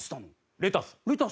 レタス。